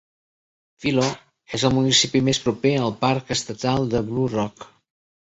Philo és el municipi més proper al Parc Estatal de Blue Rock.